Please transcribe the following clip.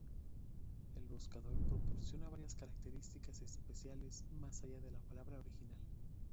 El buscador proporciona varias características especiales más allá de la palabra original.